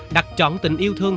đặt trọn tình yêu thương